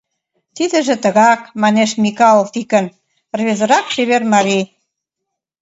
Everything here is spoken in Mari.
— Тидыже тыгак, — манеш Микал Тикын, рвезырак чевер марий.